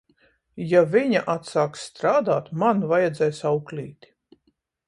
Ja viņa atsāks strādāt, man vajadzēs auklīti!